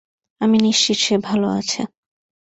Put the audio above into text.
আমি নিশ্চিত সে ভালো আছে।